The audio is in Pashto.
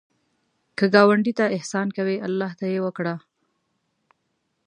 که ګاونډي ته احسان کوې، الله ته یې وکړه